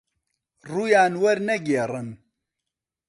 ڕوویان وەرنەگێڕن